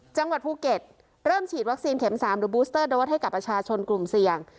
จังหวัดภูเก็ตเริ่มฉีดวัคซีนเข็ม๓หรือบูสเตอร์โดสให้กับประชาชนกลุ่มเสี่ยง